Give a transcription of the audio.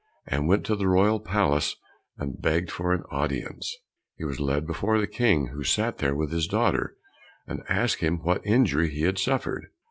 and went to the royal palace and begged for an audience. He was led before the King, who sat there with his daughter, and asked him what injury he had suffered.